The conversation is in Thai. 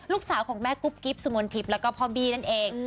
ลูกสาวของแม่กุ๊บกิ๊บสุมนทิพย์แล้วก็พ่อบี้นั่นเอง